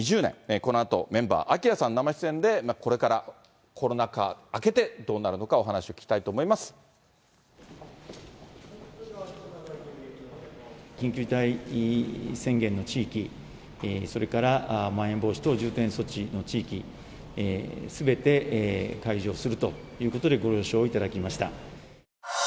このあと、メンバー、ＡＫＩＲＡさん生出演で、これからコロナ禍明けてどうなるのかお緊急事態宣言の地域、それからまん延防止等重点措置の地域、すべて解除するということでご了承いただきました。